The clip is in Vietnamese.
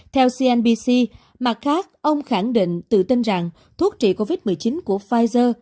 theo cnbc mặt khác ông khẳng định tự tin rằng thuốc trị covid một mươi chín của pfizer